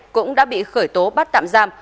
cũng đã bị khởi tố bắt tạm giam